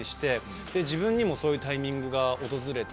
自分にもそういうタイミングが訪れて。